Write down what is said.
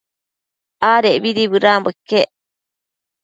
Adecbidi bëdanbo iquec